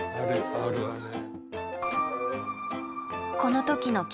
あるあるね。